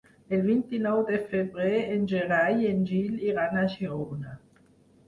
El vint-i-nou de febrer en Gerai i en Gil iran a Girona.